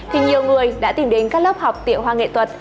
thì nhiều người đã tìm đến các lớp học tiểu hoa nghệ thuật